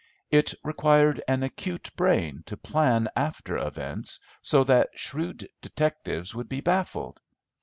It required an acute brain to plan after events so that shrewd detectives would be baffled.